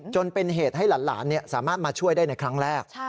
จนเป็นเหตุให้หลานสามารถมาช่วยได้ในครั้งแรก